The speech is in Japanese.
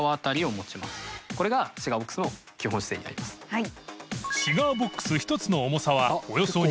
はい。